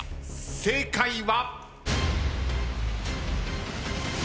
正解は。